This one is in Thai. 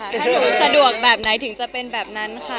ถ้าหนูสะดวกแบบไหนถึงจะเป็นแบบนั้นค่ะ